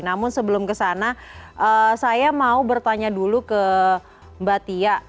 namun sebelum ke sana saya mau bertanya dulu ke mbak tia